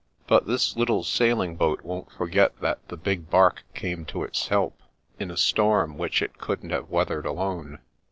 But this little sailing boat won't forget that the big bark came to its help, in a storm which it couldn't have weathered alone."